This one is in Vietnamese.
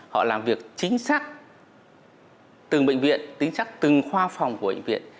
họ làm việc chính xác từng bệnh viện tính chắc từng khoa phòng của bệnh viện